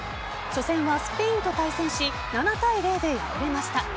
初戦はスペインと対戦し７対０で敗れました。